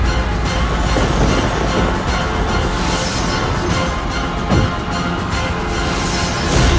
aku akan membawanya pergi dari sini